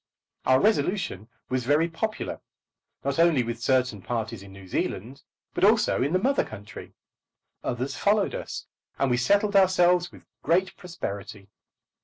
Our resolution was very popular, not only with certain parties in New Zealand, but also in the mother country. Others followed us, and we settled ourselves with great prosperity.